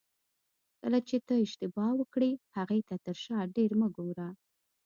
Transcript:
کله چې ته اشتباه وکړې هغې ته تر شا ډېر مه ګوره.